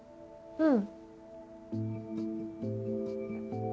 うん？